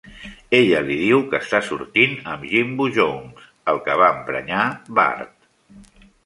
Ella li diu que està sortint amb Jimbo Jones, el que va emprenyar Bart.